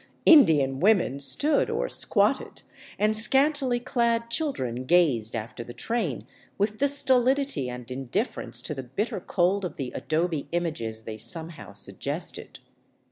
Indian women stood or squatted, and scantily clad children gazed after the train with the stolidity and indifference to the bitter cold of the adobe images they somehow suggested.